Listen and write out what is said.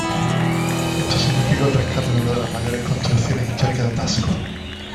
Esto significó el rescate de uno de las mayores construcciones históricas de Taxco.